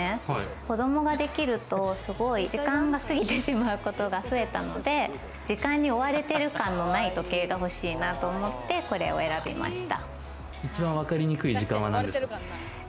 子供ができると、時間が過ぎてしまうことが増えたので、時間に追われてる感のない時計が欲しいなと思ってこれを選びました。